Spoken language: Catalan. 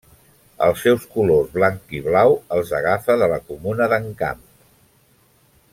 Els seus colors blanc i blau els agafa de la comuna d'Encamp.